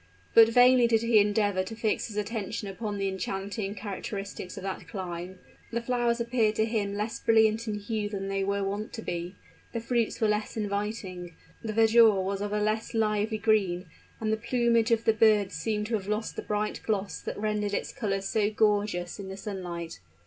But vainly did he endeavor to fix his attention upon the enchanting characteristics of that clime; the flowers appeared to him less brilliant in hue than they were wont to be the fruits were less inviting the verdure was of a less lively green and the plumage of the birds seemed to have lost the bright gloss that rendered its colors so gorgeous in the sunlight.